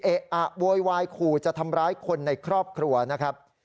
อะโวยวายขู่จะทำร้ายคนในครอบครัวนะครับ